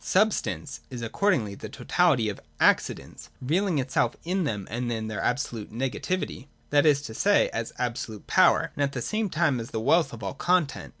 j Substance is accordingly the totality of the Ac cidents, revealing itself in them as their absolute nega tivity, (that is to say, as absolute power,) and at the same time as the wealth of all content.